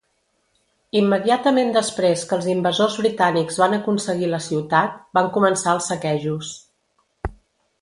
Immediatament després que els invasors britànics van aconseguir la ciutat, van començar els saquejos.